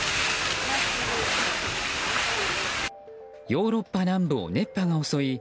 ヨーロッパ南部を熱波が襲い